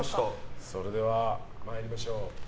それでは参りましょう。